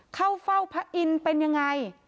เข้าเฝ้าพระอินทร์เป็นยังไง